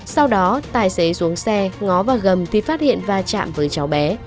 sau đó tài xế xuống xe ngó vào gầm thì phát hiện va chạm với cháu bé